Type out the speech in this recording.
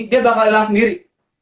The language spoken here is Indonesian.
dia bakal hilang sendiri